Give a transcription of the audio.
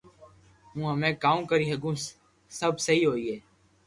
ھون ھمي ڪاو ڪري ھگو سب سھي ھوئي